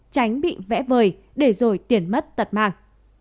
tránh bị vẽ vời để rồi tiền mất tật mang